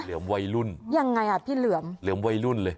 วัยรุ่นยังไงอ่ะพี่เหลือมเหลือมวัยรุ่นเลย